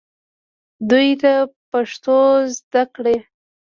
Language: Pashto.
دوی ته پښتو زده کړئ